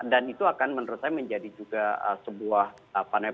dan itu akan menurut saya menjadi juga sebuah pelajaran